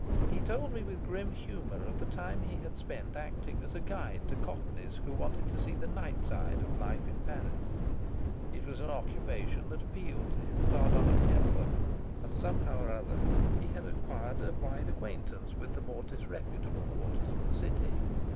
He told me with grim humour of the time he had spent acting as guide to Cockneys who wanted to see the night side of life in Paris; it was an occupation that appealed to his sardonic temper and somehow or other he had acquired a wide acquaintance with the more disreputable quarters of the city.